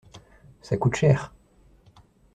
Ça coûte cher.